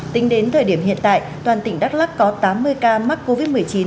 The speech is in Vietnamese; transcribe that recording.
tính đến thời điểm hiện tại toàn tỉnh đắk lắc có tám mươi ca mắc covid một mươi chín